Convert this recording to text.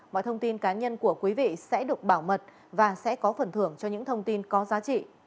mọi thông tin cá nhân của quý vị sẽ được bảo mật và sẽ có phần thưởng cho những thông tin có giá trị